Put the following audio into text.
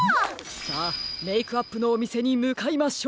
さあメイクアップのおみせにむかいましょう！